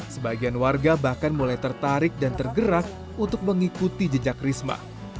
sebagian warga bahkan mulai tertarik dan tergerak untuk mengikuti jejak risma